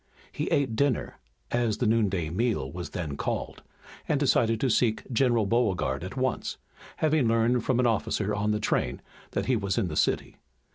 He ate dinner, as the noonday meal was then called, and decided to seek General Beauregard at once, having learned from an officer on the train that he was in the city.